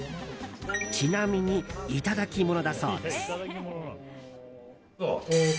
ちなみにいただきものだそうです。